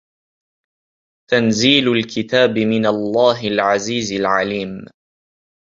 تَنزيلُ الكِتابِ مِنَ اللَّهِ العَزيزِ العَليمِ